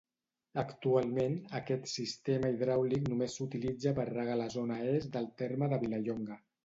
Actualment aquest sistema hidràulic només s'utilitza per regar la zona est del terme de Vilallonga.